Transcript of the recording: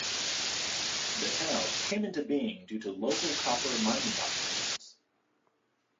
The town came into being due to local copper mining operations.